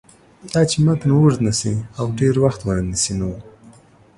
داچې متن اوږد نشي او ډېر وخت ونه نیسي نو